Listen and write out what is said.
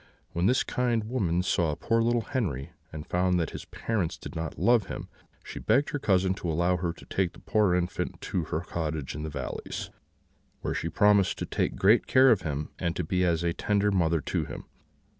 When this kind woman saw poor little Henri, and found that his parents did not love him, she begged her cousin to allow her to take the poor infant to her cottage in the valleys, where she promised to take great care of him, and to be as a tender mother to him.